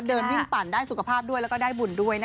เดินวิ่งปั่นได้สุขภาพด้วยแล้วก็ได้บุญด้วย